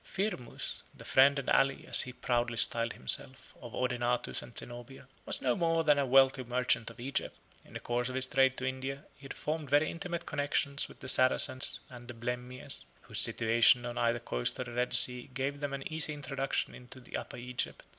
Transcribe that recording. Firmus, the friend and ally, as he proudly styled himself, of Odenathus and Zenobia, was no more than a wealthy merchant of Egypt. In the course of his trade to India, he had formed very intimate connections with the Saracens and the Blemmyes, whose situation on either coast of the Red Sea gave them an easy introduction into the Upper Egypt.